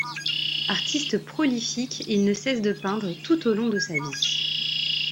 Artiste prolifique, il ne cesse de peindre tout au long de sa vie.